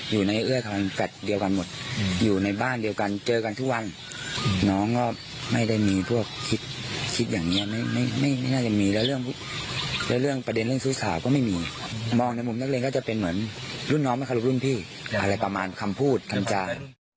อยู่ในเอื้อทางแฟลตเดียวกันหมดอยู่ในบ้านเดียวกันเจอกันทุกวันน้องก็ไม่ได้มีพวกคิดคิดอย่างนี้ไม่น่าจะมีแล้วเรื่องประเด็นเรื่องซื้อข่าวก็ไม่มีมองในมุมนักเรียนก็จะเป็นเหมือนรุ่นน้องไม่เคารพรุ่นพี่อะไรประมาณคำพูดคำจา